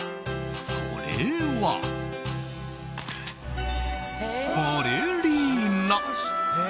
それはバレリーナ。